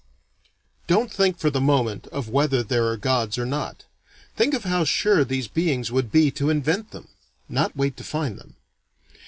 Don't think for the moment of whether there are gods or not; think of how sure these beings would be to invent them. (Not wait to find them.)